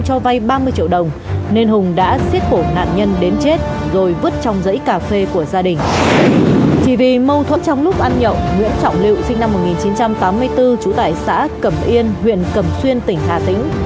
chỉ vì mâu thuẫn trong lúc ăn nhậu nguyễn trọng liệu sinh năm một nghìn chín trăm tám mươi bốn trú tại xã cẩm yên huyện cẩm xuyên tỉnh hà tĩnh